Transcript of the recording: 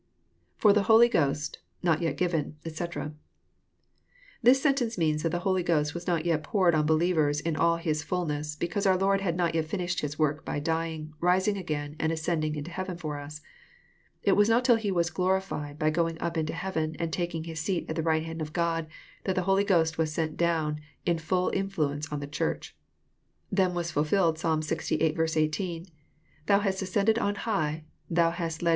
IFor the Holy Ghost... not yet given, etc."] This sentence means that the Holy Ghost was not yet poured on believers in all His ftilness, because oar Lord had not yet finished His "work by dying, rising again, and ascending into heaven for us. It was not till He was glorified " by going up into heaven and taking His seat at the right band of God, that the Holy Ghost was sent down in fbll influence on the Church. Then was fulfilled ' Psalm Ixviii. 18, — "Thou hast ascended on high, thou hast led